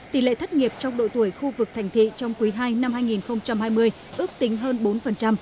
tỷ lệ thất nghiệp trong độ tuổi khu vực thành thị trong quý ii năm hai nghìn hai mươi ước tính hơn bốn